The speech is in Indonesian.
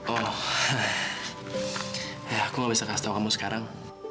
oh ya aku gak bisa kasih tahu kamu sekarang